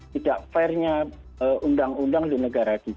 tidak fairnya undang undang di negara kita